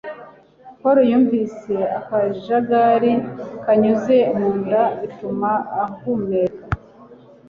Paul yumvise akajagari kanyuze mu nda, bituma ahumeka.